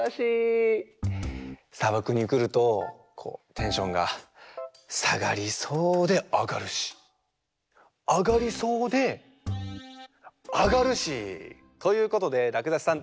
さばくにくるとこうテンションがさがりそうであがるしあがりそうであがるし。ということでらくだしさん